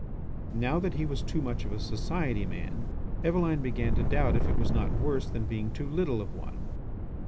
Now that he was too much of a society man, Eveline began to doubt if it was not worse than being too little of one.